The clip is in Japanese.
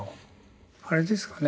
あれですかね